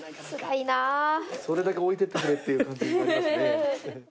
それだけ置いてってくれっていう感じになりますね。